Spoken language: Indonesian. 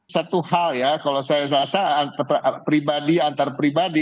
satu hal ya kalau saya rasa pribadi antar pribadi